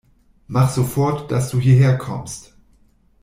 Mach sofort, dass du hierher kommst!